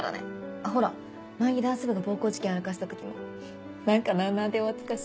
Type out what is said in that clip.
あっほら前にダンス部が暴行事件やらかした時も何かなあなあで終わってたし。